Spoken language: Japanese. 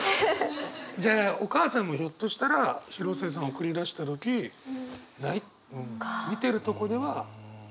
じゃあお母さんもひょっとしたら広末さんを送り出した時見てるとこでは平気を装ってただけかもしれない。